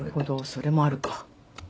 それもあるか。